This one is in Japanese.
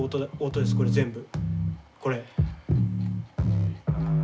これ。